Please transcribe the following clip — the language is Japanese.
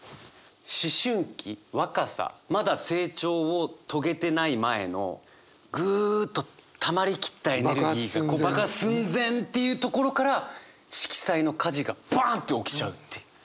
思春期若さまだ成長を遂げてない前のぐっとたまり切ったエネルギーが爆発寸前っていうところから色彩の火事がバンって起きちゃうっていう。